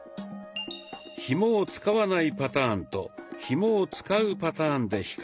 ひもを使わないパターンとひもを使うパターンで比較します。